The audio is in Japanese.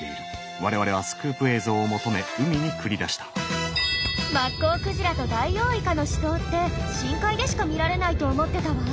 我々はスクープ映像を求め海に繰り出したマッコウクジラとダイオウイカの死闘って深海でしか見られないと思ってたわ。